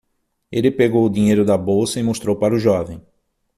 Ele pegou o dinheiro da bolsa e mostrou para o jovem.